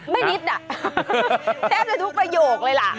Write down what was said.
ไม่นิดนะเต็มอยู่ทุกประโยคเลยล่ะ